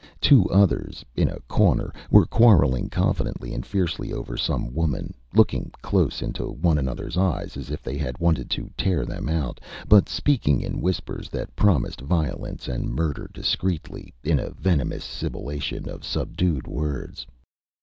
Two others, in a corner, were quarrelling confidentially and fiercely over some woman, looking close into one anotherÂs eyes as if they had wanted to tear them out, but speaking in whispers that promised violence and murder discreetly, in a venomous sibillation of subdued words.